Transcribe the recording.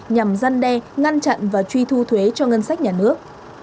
nhằm gian đe ngăn chặn và truy thu thuế cho ngân sách nhà nước